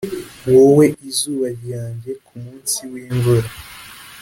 wowe izuba ryanjye kumunsi wimvura.